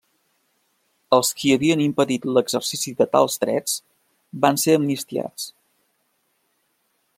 Els qui havien impedit l'exercici de tals drets, van ser amnistiats.